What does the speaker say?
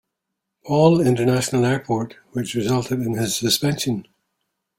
Paul International Airport, which resulted in his suspension.